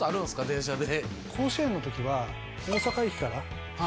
電車で。